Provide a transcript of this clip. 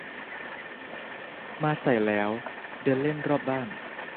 มาใส่แล้วเดินเล่นรอบบ้าน